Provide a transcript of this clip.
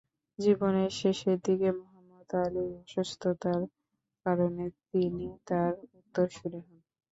জীবনের শেষের দিকে মুহাম্মদ আলির অসুস্থতার কারণে তিনি তার উত্তরসুরি হন।